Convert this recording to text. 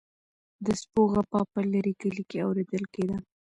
د سپو غپا په لرې کلي کې اوریدل کیده.